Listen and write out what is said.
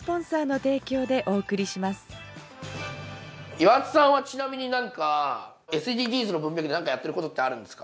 岩田さんはちなみにＳＤＧｓで何かやってることはあるんですか？